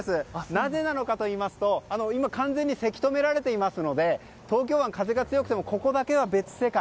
なぜなのかといいますと、今完全にせき止められていますので東京湾、風が強くてもここだけは別世界。